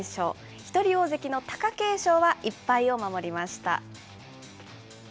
一人大関の貴景勝は１敗を守りました。